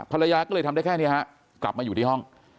ภรรยาก็เลยทำได้แค่นี้ฮะกลับมาอยู่ที่ห้อง